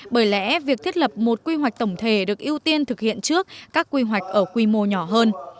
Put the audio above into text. bởi lẽ việc thiết lập một quy hoạch tổng thể được ưu tiên thực hiện trước các quy hoạch ở quy mô nhỏ hơn